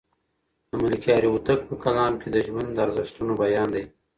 د ملکیار هوتک په کلام کې د ژوند د ارزښتونو بیان دی.